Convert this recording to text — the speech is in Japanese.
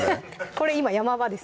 これ今山場です